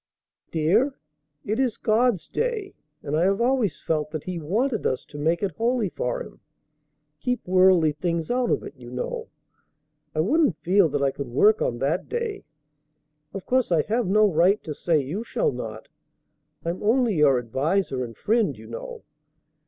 "Dear, it is God's day, and I have always felt that He wanted us to make it holy for Him, keep worldly things out of it, you know. I wouldn't feel that I could work on that day. Of course I have no right to say you shall not. I'm only your adviser and friend, you know.